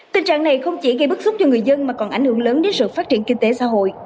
tình trạng này không chỉ gây bức xúc cho người dân mà còn ảnh hưởng lớn đến sự phát triển kinh tế xã hội